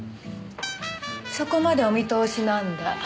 そこまでお見通しなんだ。